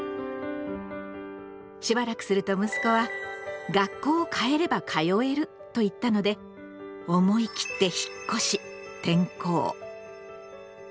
しばらくすると息子は「学校をかえれば通える」と言ったので思い切って引っ越し転校。